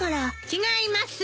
違います！